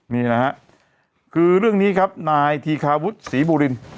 นี่นะฮะคือเรื่องนี้ครับนายธีคาวุฒิศรีบุริน